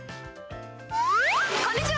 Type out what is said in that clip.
こんにちは。